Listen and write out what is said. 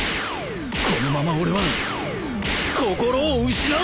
このまま俺は心を失うのか？